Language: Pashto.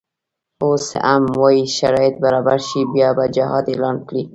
اوس هم وایي شرایط برابر شي بیا به جهاد اعلان کړي.